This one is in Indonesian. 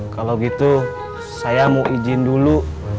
kalau gitu saya mau izin dulu